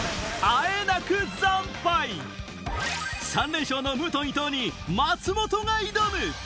３連勝のムートン伊藤に松本が挑む！